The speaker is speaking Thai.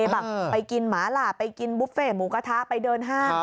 แบบไปกินหมาหลาไปกินบุฟเฟ่หมูกระทะไปเดินห้าง